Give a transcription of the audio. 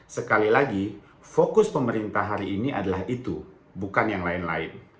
sekali lagi fokus pemerintah hari ini adalah itu bukan yang lain lain